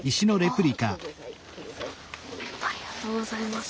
ありがとうございます。